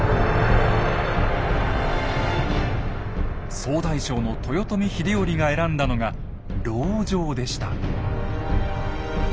総大将の豊臣秀頼が選んだのが籠城でした。